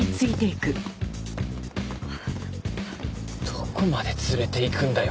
どこまで連れていくんだよ